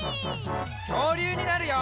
きょうりゅうになるよ！